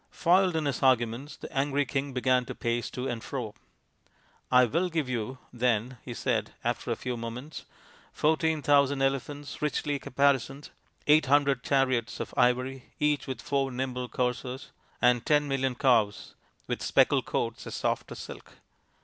Foiled in his arguments, the angry king began to pace to and fro. " I will give you, then," he said, after a few moments, " fourteen thousand elephants, richly caparisoned, eight hundred chariots of ivory, each with four nimble coursers, and ten million cows with speckled coats as soft as silk.